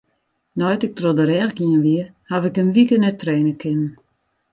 Nei't ik troch de rêch gien wie, haw ik in wike net traine kinnen.